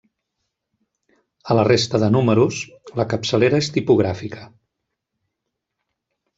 A la resta de números la capçalera és tipogràfica.